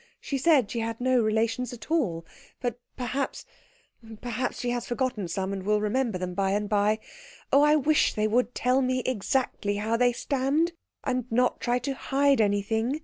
She said she had no relations at all, but perhaps perhaps she has forgotten some, and will remember them by and by. Oh, I wish they would tell me exactly how they stand, and not try to hide anything!